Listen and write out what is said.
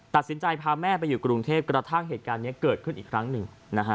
ตัดสินใจพาแม่ไปอยู่กรุงเทพกระทั่งเหตุการณ์นี้เกิดขึ้นอีกครั้งหนึ่ง